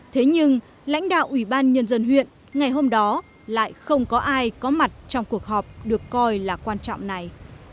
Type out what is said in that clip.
thế nhưng lãnh đạo ủy ban nhân dân huyện ngày hôm đó lại không có ai có mặt trong cuộc họp được coi là quan trọng này